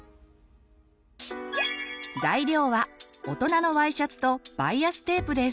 材料は大人のＹシャツとバイアステープです。